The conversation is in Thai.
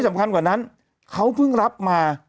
เมื่อกว่านั้นเขาเพิ่งรับมา